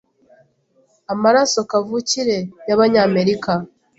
Amaraso kavukire y'Abanyamerika